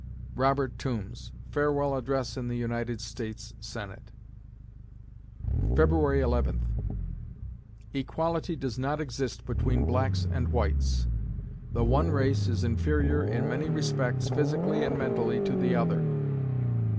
ROBERT TOOMBS (Farewell Address in the United States Senate) February Eleventh Equality does not exist between blacks and whites. The one race is inferior in many respects, physically and mentally, to the other.